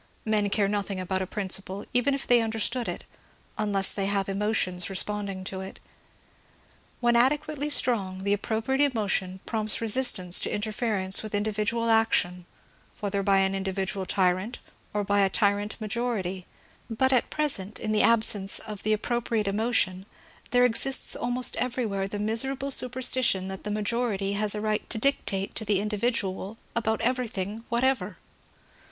Men care nothing about a principle, even if they understood it, unless they have emotions responding to it. When adequately strong, tiie ap propriate emotion prompts resistance to interference with individual action, whether by an individual tyrant or by a tyrant majority ; but at present, in the absence of the appro priate emotion, there exists almost everywhere the miserable superstition that the majority has a right to dictate to the individual about everything whatever.